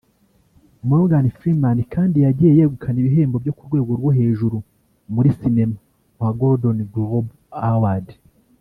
Morgan Freeman kandi yagiye yegukana ibihembo byo ku rwego rwo hejuru muri cinema nka Golden Globe Award